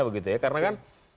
begitu ya karena kan